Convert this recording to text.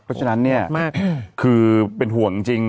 เพราะฉะนั้นเนี่ยคือเป็นห่วงจริง